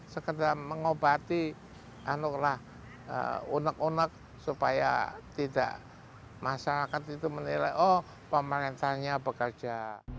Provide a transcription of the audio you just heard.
sekedar mengobati unek unek supaya tidak masyarakat itu menilai oh pemerintahnya bekerja